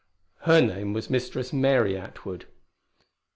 Her name was Mistress Mary Atwood.